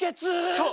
そう。